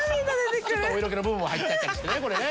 ちょっとお色気の部分も入っちゃったりしてねこれね。